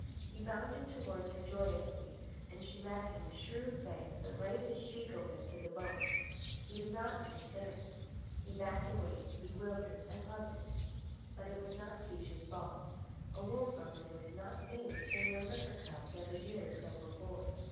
He bounded towards her joyously, and she met him with shrewd fangs that laid his cheek open to the bone. He did not understand. He backed away, bewildered and puzzled. But it was not Kiche's fault. A wolf mother was not made to remember her cubs of a year or so before.